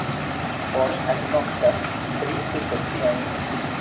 Oni agnoskas tri subspeciojn.